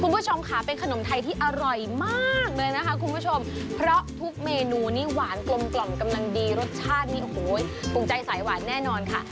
คุณผู้ชมค่ะเป็นขนมไทยที่อร่อยมากเลยนะคะคุณผู้ชมเพราะทุกเมนูนี้หวานกลมกล่อมกำลังดีรสชาตินี่โอ้โหถูกใจสายหวานแน่นอนค่ะ